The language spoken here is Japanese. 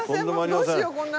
どうしようこんな。